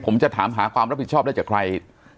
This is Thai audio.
ผมจะถามหาความรับผิดชอบได้จากใคร